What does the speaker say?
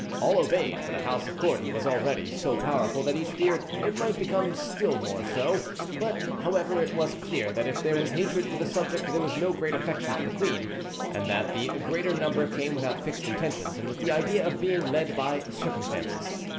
All obeyed, for the house of Cordon was already so powerful that each feared it might become still more so; but, however, it was clear that if there was hatred for the subject there was no great affection for the queen, and that the greater number came without fixed intentions and with the idea of being led by circumstances.